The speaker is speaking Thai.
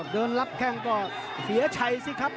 เดินรับแข้งก็เสียชัยสิครับ